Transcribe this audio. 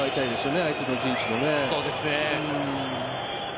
相手の陣地でね。